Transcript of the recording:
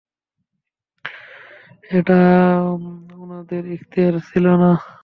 এটা উনাদের এখতিয়ারে ছিল না।